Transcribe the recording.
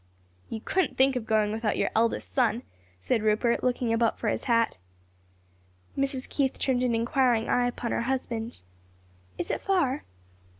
"You couldn't think of going without your eldest son;" said Rupert, looking about for his hat. Mrs. Keith turned an inquiring eye upon her husband. "Is it far?"